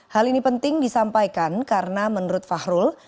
hal ini penting disampaikan karena menurut fahrul